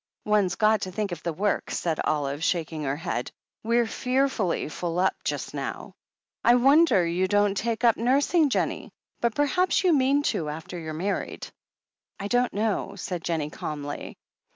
"One's got to think of the work," said Olive, shak ing her head. "We're fearfully full up just now. I 432 THE HEEL OF ACHILLES wonder you don't take up nursing, Jennie — ^but perhaps you mean to after you're married?" "I don't know," said Jennie calmly.